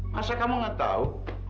masa kamu gak tau